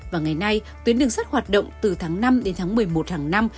và ngày nay tuyến đường sắt hoạt động từ tháng năm đến tháng một mươi một hàng năm